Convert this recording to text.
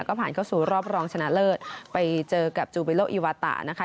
ก็ผ่านเข้าสู่รอบรองชนะเลิศไปเจอกับจูบิโลอีวาตะนะคะ